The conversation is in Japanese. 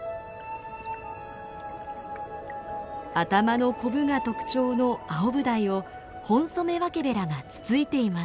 頭のコブが特徴のアオブダイをホンソメワケベラがつついています。